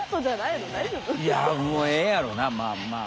いやもうええんやろうなまあまあ。